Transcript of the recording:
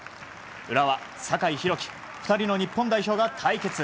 浦和、酒井宏樹２人の日本代表が対決。